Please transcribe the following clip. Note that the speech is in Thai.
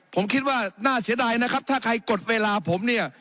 ผมคิดว่าน่าเสียดายนะครับถ้าใครกดเวลาผมเนี่ย